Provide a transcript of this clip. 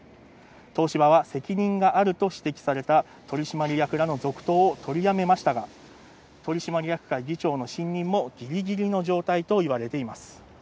東芝は責任があると指摘された取締役らの続投を取りやめましたが、取締役会議長の信任もぎりぎりの状態と言われています。